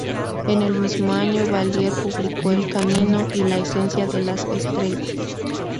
En el mismo año, Valier publicó "El camino y la esencia de las estrellas.